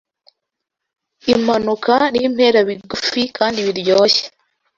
Impanuka n'impera Bigufi kandi biryoshye